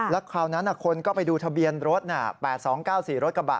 แล้วคราวนั้นคนก็ไปดูทะเบียนรถ๘๒๙๔รถกระบะ